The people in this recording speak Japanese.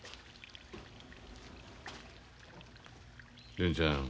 純ちゃん。